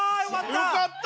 よかった！